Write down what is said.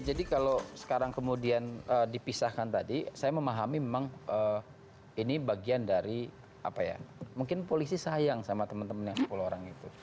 jadi kalau sekarang kemudian dipisahkan tadi saya memahami memang ini bagian dari apa ya mungkin polisi sayang sama teman teman yang sepuluh orang itu